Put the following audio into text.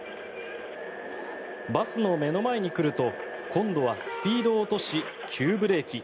バスの目の前に来ると、今度はスピードを落とし急ブレーキ。